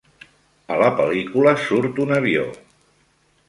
A la pel·lícula surt un avió!